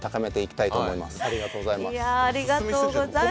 ありがとうございます。